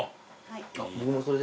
僕もそれで。